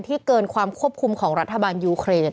ที่เกินความควบคุมของรัฐบาลยุเครน